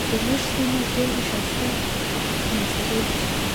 زمونږ سیمه ډیرې ښایسته منظرې لري.